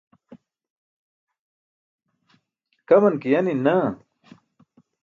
kaman ke yanin naa.